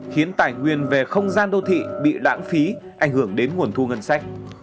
khiến tài nguyên về không gian đô thị bị lãng phí ảnh hưởng đến nguồn thu ngân sách